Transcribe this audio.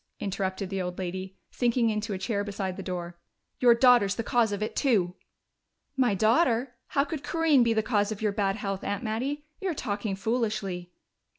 interrupted the old lady, sinking into a chair beside the door. "Your daughter's the cause of it, too!" "My daughter? How could Corinne be the cause of your bad health, Aunt Mattie? You're talking foolishly."